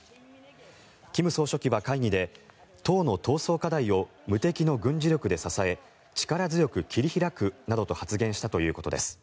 金総書記は会議で党の闘争課題を無敵の軍事力で支え力強く切り開くなどと発言したということです。